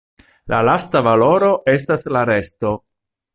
La lasta valoro estas la resto.